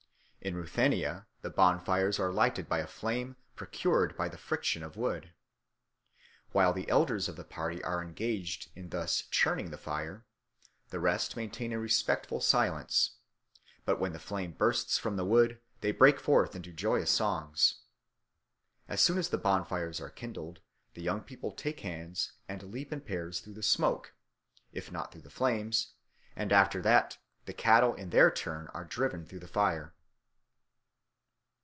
In Ruthenia the bonfires are lighted by a flame procured by the friction of wood. While the elders of the party are engaged in thus "churning" the fire, the rest maintain a respectful silence; but when the flame bursts from the wood, they break forth into joyous songs. As soon as the bonfires are kindled, the young people take hands and leap in pairs through the smoke, if not through the flames; and after that the cattle in their turn are driven through the fire.